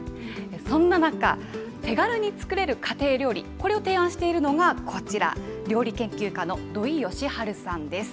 そんな中、手軽に作れる家庭料理、これを提案しているのがこちら、料理研究家の土井善晴さんです。